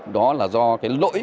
đó là do cái lỗi